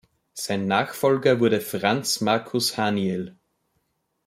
Sein Nachfolger wurde Franz Markus Haniel.